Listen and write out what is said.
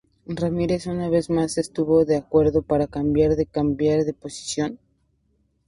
Ramírez, una vez más estuvo de acuerdo para cambiar en cambiar de posición.